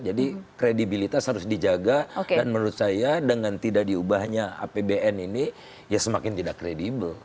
jadi kredibilitas harus dijaga dan menurut saya dengan tidak diubahnya apbn ini ya semakin tidak kredibel